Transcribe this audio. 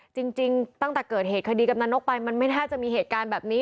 จริงตั้งแต่เกิดเหตุคดีกำนันนกไปมันไม่น่าจะมีเหตุการณ์แบบนี้